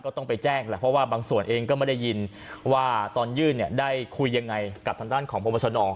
ต้องไปแจ้งแหละเพราะว่าบางส่วนเองก็ไม่ได้ยินว่าตอนยื่นเนี่ยได้คุยยังไงกับทางด้านของพบชน